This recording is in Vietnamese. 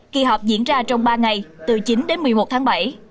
kỳ họp diễn ra trong ba ngày từ chín đến một mươi một tháng bảy